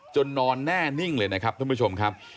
นอนแน่นิ่งเลยนะครับท่านผู้ชมครับ